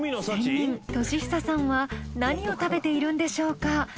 仙人敏久さんは何を食べているんでしょうか。